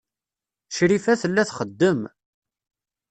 Crifa tella txeddem.